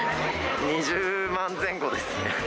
２０万前後ですね。